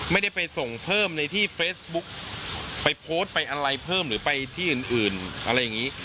ไม่ได้ไปส่งเพิ่มในที่เฟซบุ๊กไปโพสต์ไปอะไรเพิ่มหรือไปที่อื่นอะไรอย่างนี้